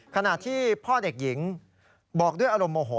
ขณะที่พ่อเด็กหญิงบอกด้วยอารมณ์โมโห